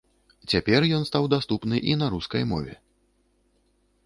Цяпер ён стаў даступны і на рускай мове.